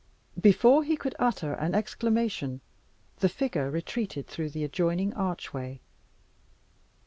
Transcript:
Before he could utter an exclamation, the figure retreated through the adjoining archway.